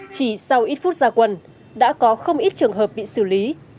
chỉ sau ít phút ra quân đã có không ít trường hợp bị xử lý